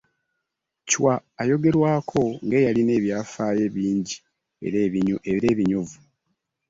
Ccwa ayogerwako ng’eyalina ebyafaayo ebingi era ebinyuvu.